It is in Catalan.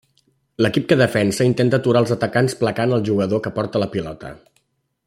L'equip que defensa intenta aturar els atacants placant al jugador que porta la pilota.